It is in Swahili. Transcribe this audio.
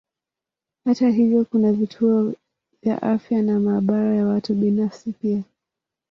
Hata hivyo kuna vituo vya afya na maabara ya watu binafsi pia.